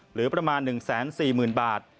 หรือประมาณ๑๔๐๐๐บาท